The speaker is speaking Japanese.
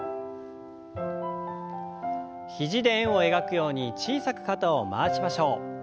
肘で円を描くように小さく肩を回しましょう。